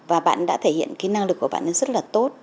và bạn đã thể hiện cái năng lực của bạn ấy rất là tốt